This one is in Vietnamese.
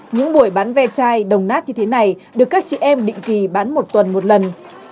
những buổi bán ve chai đồng nát như thế này được các chị em định kỳ bán một tuần một lần